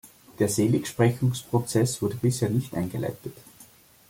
Der Seligsprechungsprozess wurde bisher nicht eingeleitet.